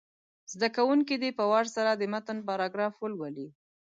زده کوونکي دې په وار سره د متن پاراګراف ولولي.